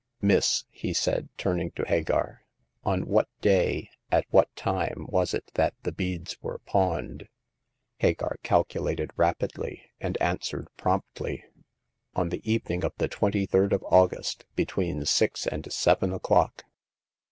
Miss," he said, turning to Hagar, on what day, at what time, was it that the beads were pawned ?" Hagar calculated rapidly, and answered promptly :On the evening of the 23d of August, between six and seven o'clock.